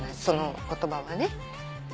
その言葉はね。